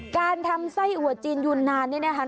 การทำไส้อัวจีนยูนนานนี่นะคะ